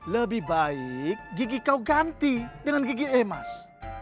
lebih baik gigi kau ganti dengan gigi emas